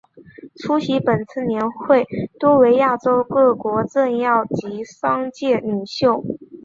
出席本次年会多为亚洲各国政要及商界领袖。